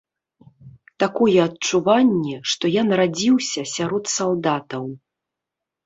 Такое адчуванне, што я нарадзіўся сярод салдатаў.